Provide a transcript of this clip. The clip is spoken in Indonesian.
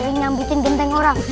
sering nyambutin genteng orang